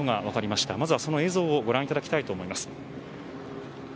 まずはその映像をご覧いただきたいと思います。